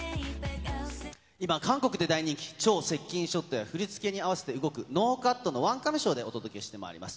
今、韓国で大人気、超接近ショットや振り付けに合わせて動く、ノーカットのワンカメショーでお届けしてまいります。